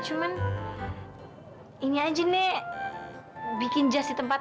terus yang jarang jarang itu yang kembang